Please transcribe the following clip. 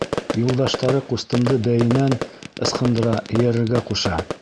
Юлдаштары ҡустымды бәйенән ысҡындыра, эйәрергә ҡуша.